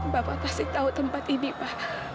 bapak pasti tahu tempat ini pak